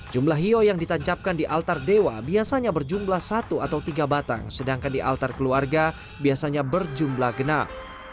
jumlah hiyo yang ditancapkan di altar dewa biasanya berjumlah satu atau tiga batang sedangkan di altar keluarga biasanya berjumlah genap